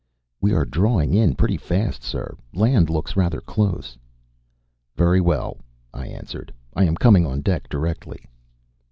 "We are drawing in pretty fast, sir. Land looks rather close." "Very well," I answered. "I am coming on deck directly."